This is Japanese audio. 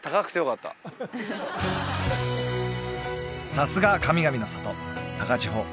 さすが神々の里高千穂